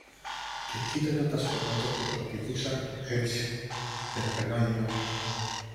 και κοίταζα τα σκονάκια που χοροπηδούσαν, έτσι, για να περνά η ώρα.